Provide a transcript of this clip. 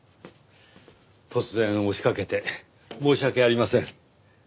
突然押し掛けて申し訳ありません。